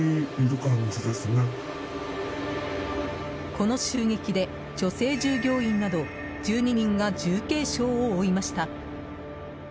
この襲撃で、女性従業員など１２人が重軽傷を負いました。